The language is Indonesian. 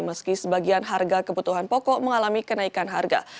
meski sebagian harga kebutuhan pokok mengalami kenaikan harga